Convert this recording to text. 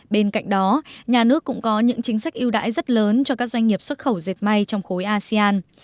bên cạnh đó nhà nước cũng có những chính sách yêu đãi rất lớn cho các doanh nghiệp xuất khẩu dệt may trong khối asean